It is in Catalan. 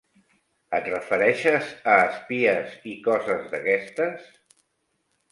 Et refereixes a espies i coses d'aquestes?